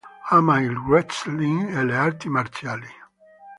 Ama il wrestling e le arti marziali.